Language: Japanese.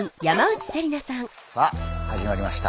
さあ始まりました